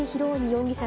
容疑者